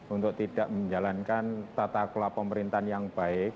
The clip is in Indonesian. untuk tidak menjalankan tata kelola pemerintahan yang baik